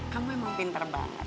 kamu emang pinter banget